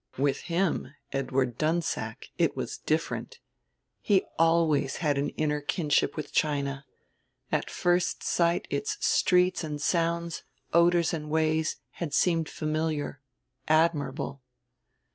With him, Edward Dunsack, it was different; he always had an inner kinship with China; at first sight its streets and sounds, odors and ways, had seemed familiar, admirable.